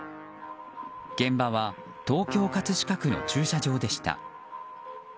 現場は東京・葛飾区の駐車場でした。